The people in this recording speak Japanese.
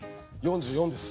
４４歳です。